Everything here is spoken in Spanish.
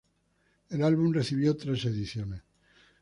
El álbum recibió tres ediciones.